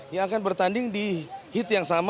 yang akan bertanding di hit yang sama